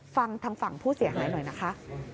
ฟังทางฝั่งผู้เสียหายหน่อยนะคะ